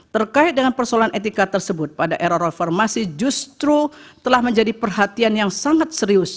terkait dengan persoalan etika tersebut pada era reformasi justru telah menjadi perhatian yang sangat serius